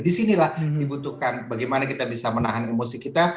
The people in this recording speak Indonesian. di sini lah dibutuhkan bagaimana kita bisa menahan emosi kita